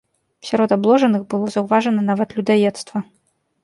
Сярод абложаных было заўважана нават людаедства.